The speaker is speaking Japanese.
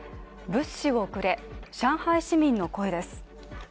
物資をくれ、上海市民の声です。